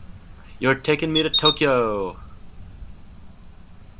You're takin' me to Tokyo!